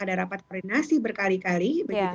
ada rapat koordinasi berkali kali